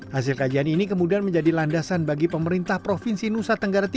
hasil kajian ini kemudian menjadi landasan bagi pemerintah provinsi nusa tenggara timur